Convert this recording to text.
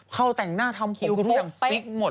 เขาแต่งหน้าทำผิดทุกอย่างฟิกหมด